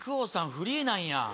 フリーなんや！